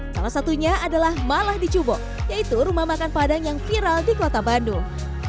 salah satunya adalah malah dicubo yaitu rumah makan padang yang viral di kota bandung